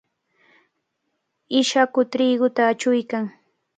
Ishaku triquta achuykan.